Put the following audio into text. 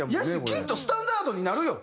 きっとスタンダードになるよ